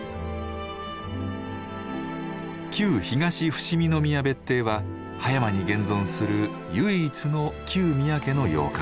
旧東伏見宮別邸は葉山に現存する唯一の旧宮家の洋館。